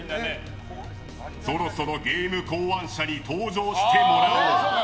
そろそろゲーム考案者に登場してもらう。